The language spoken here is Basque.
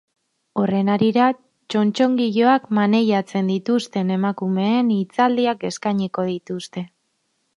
Horren harira, txontxongiloak maneiatzen dituzten emakumeen hitzaldiak eskainiko dituzte.